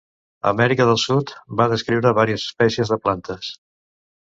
A Amèrica del Sud, va descriure vàries espècies de plantes.